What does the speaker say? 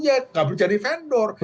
nggak boleh jadi vendor